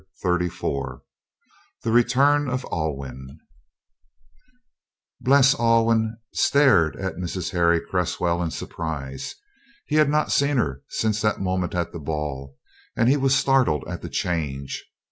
Thirty four THE RETURN OF ALWYN Bles Alwyn stared at Mrs. Harry Cresswell in surprise. He had not seen her since that moment at the ball, and he was startled at the change.